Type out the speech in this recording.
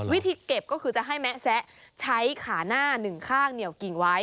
วิธีเก็บก็คือจะให้แมะแซะใช้ขาหน้าหนึ่งข้างเหนียวกิ่งไว้